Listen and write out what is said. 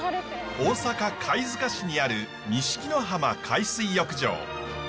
大阪・貝塚市にある二色の浜海水浴場。